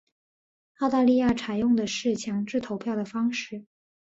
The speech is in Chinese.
澳大利亚采用的是强制投票的方式。